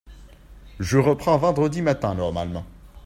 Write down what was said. Je reprends vendredi matin normalement.